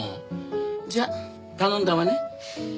じゃあ頼んだわね。